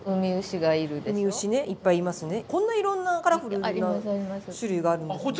こんないろんなカラフルな種類があるんですね。